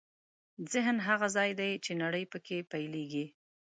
ذهن هغه ځای دی چې نړۍ پکې پیلېږي.